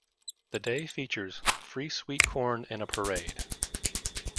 The day features free sweet corn and a parade.